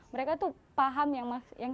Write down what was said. mereka tuh paham yang